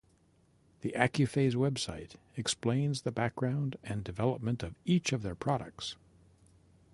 The Accuphase website explains the background and development of each of their products.